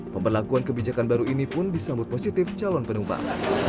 pemberlakuan kebijakan baru ini pun disambut positif calon penumpang